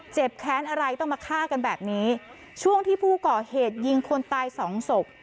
แค้นอะไรต้องมาฆ่ากันแบบนี้ช่วงที่ผู้ก่อเหตุยิงคนตายสองศพ